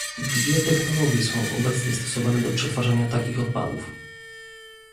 Dwie technologie są obecnie stosowane do przetwarzania takich odpadów